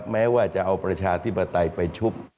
แม้ว่าจะเอาประชาธิปไตยไปชุบ